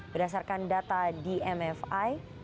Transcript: berdasarkan data dmfi